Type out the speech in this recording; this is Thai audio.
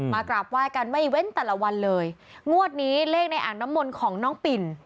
ให้ดูกันในอ่างเลยละกัน